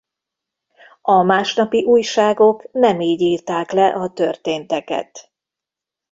A másnapi újságok nem így írták le a történteket.